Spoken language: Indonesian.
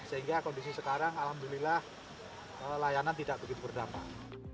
sehingga kondisi sekarang alhamdulillah layanan tidak begitu berdampak